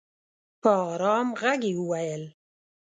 په ارام ږغ یې وویل